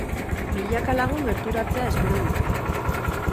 Milaka lagun gerturatzea espero dute.